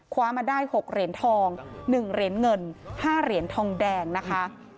คว้ามาได้๖เหรียญทอง๑เหรียญเงิน๕เหรียญทองแดงนะคะ